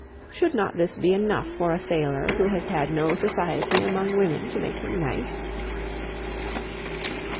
Should not this be enough for a sailor, who has had no society among women to make him nice?"